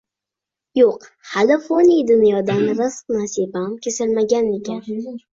Yo`q, hali foniy dunyodan rizq-nasibam kesilmagan ekan